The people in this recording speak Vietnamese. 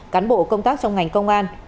cán bộ công tác trong ngành công an